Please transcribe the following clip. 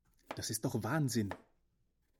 Das ist doch Wahnsinn!